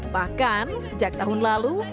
bahkan sejak tahun lalu